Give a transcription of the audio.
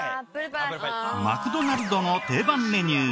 マクドナルドの定番メニュー